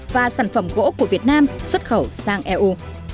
và sản phẩm gỗ của việt nam xuất khẩu sang eu